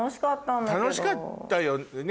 楽しかったよね